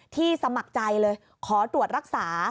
สมัครใจเลยขอตรวจรักษา